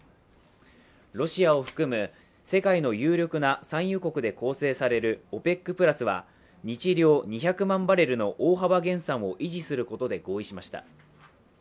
ロシアを含む世界の有力な産油国で構成されるＯＰＥＣプラスは日量２００万バレルの大幅減産を維持することで合意しました。